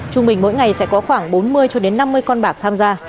trung bình mỗi ngày sẽ có khoảng bốn mươi năm mươi con bạc tham gia